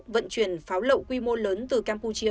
vận chuyển pháo lậu quy mô lớn từ campuchia